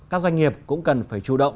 các doanh nghiệp cũng cần phải chủ động